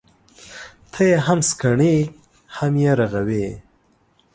ته يې هم سکڼې ، هم يې رغوې.